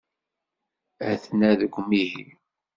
Aten-a deg umihi.